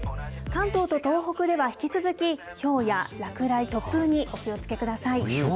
関東と東北では、引き続き、ひょうや落雷、突風にお気をつけください。